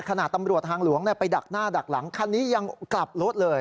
ตำรวจทางหลวงไปดักหน้าดักหลังคันนี้ยังกลับรถเลย